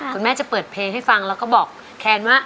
คุณแม่จะเปิดเพลงให้ฟังแล้วก็บอกแคนว่า